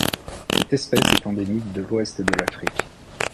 Cette espèce est endémique de l'Ouest de l'Afrique.